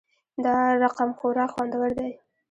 دا رقمخوراک خوندور وی